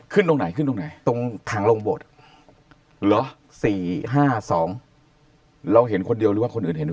ตรงไหนขึ้นตรงไหนตรงถังลงโบสถ์เหรอ๔๕๒เราเห็นคนเดียวหรือว่าคนอื่นเห็น